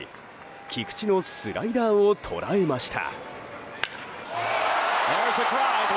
菊池のスライダーを捉えました。